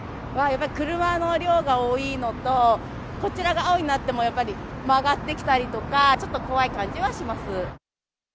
やっぱり車の量が多いのと、こちらが青になっても、やっぱり曲がってきたりとか、ちょっと怖い感じはします。